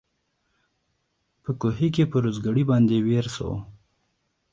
په کوهي کي پر اوزګړي باندي ویر سو